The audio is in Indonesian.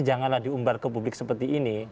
janganlah diumbar ke publik seperti ini